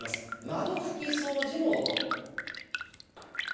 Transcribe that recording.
窓拭き掃除の音。